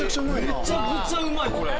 めちゃくちゃうまいこれ。